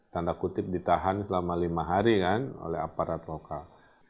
tanda kutip ditahan selama lima hari kan oleh aparat lokal